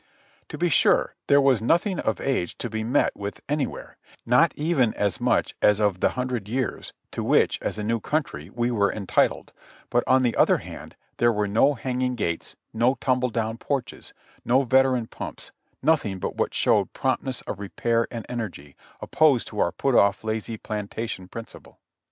To be sure there was nothing of age to be met with anywhere, not even as much as of the hundred years to which as a new coun try we are entitled ; but on the other hand there were no hang ing gates, no tumble down porches ; no veteran pumps ; nothing but what showed promptness of repair and energy, opposed to our put off, lazy plantation principle.